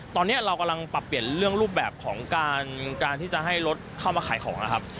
ตอนนี้เรากำลังปรับเปลี่ยนเรื่องรูปแบบของการที่จะให้รถเข้ามาขายของนะครับ